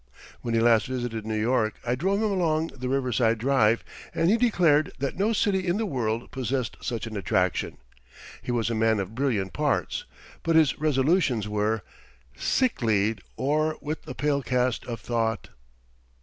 When he last visited New York I drove him along the Riverside Drive, and he declared that no city in the world possessed such an attraction. He was a man of brilliant parts, but his resolutions were "Sicklied o'er with the pale cast of thought."